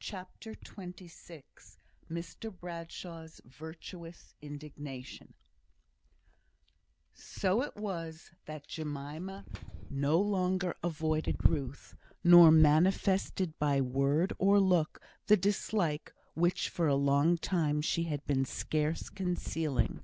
CHAPTER XXVI Mr Bradshaw's Virtuous Indignation So it was that Jemima no longer avoided Ruth, nor manifested by word or look the dislike which for a long time she had been scarce concealing.